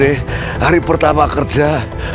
hari pertama kerja